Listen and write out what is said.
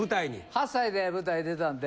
８歳で舞台出たんで。